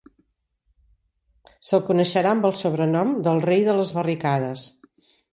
Se'l coneixerà amb el sobrenom del rei de les barricades.